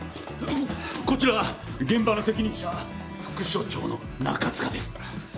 こちら現場の責任者副署長の中塚です。